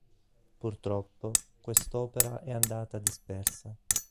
Purtroppo, quest'opera è andata dispersa.